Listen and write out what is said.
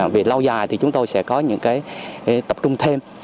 vì lâu dài thì chúng tôi sẽ có những tập trung thêm